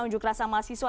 unjuk rasa mahasiswa